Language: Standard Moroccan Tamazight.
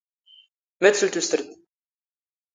ⵎⴰⴷ ⵙⵓⵍ ⵜⵓⵙⵔⴷ?